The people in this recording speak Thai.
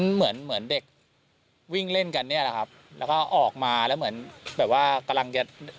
เหมือนเด็กวิ่งเล่นกันเนี่ยครับแล้วก็ออกมาแล้วเหมือนกำลังจะ